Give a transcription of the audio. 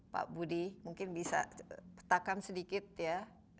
pak budi mungkin bisa petakan sedikit ya